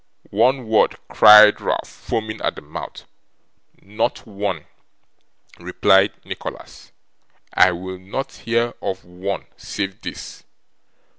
'One word!' cried Ralph, foaming at the mouth. 'Not one,' replied Nicholas, 'I will not hear of one save this.